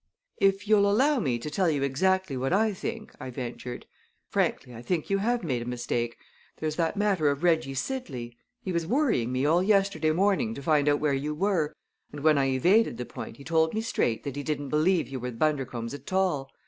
"If you'll allow me to tell you exactly what I think," I ventured, "frankly I think you have made a mistake. There's that matter of Reggie Sidley. He was worrying me all yesterday morning to find out where you were, and when I evaded the point he told me straight that he didn't believe you were the Bundercombes at all.